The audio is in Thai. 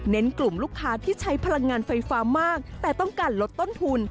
กลุ่มลูกค้าที่ใช้พลังงานไฟฟ้ามากแต่ต้องการลดต้นทุน